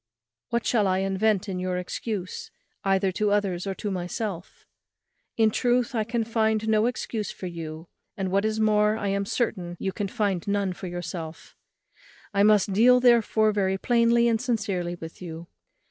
What shall I invent in your excuse, either to others or to myself? In truth, I can find no excuse for you, and, what is more, I am certain you can find none for yourself. I must deal therefore very plainly and sincerely with you.